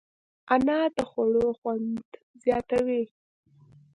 انار د خوړو خوند زیاتوي.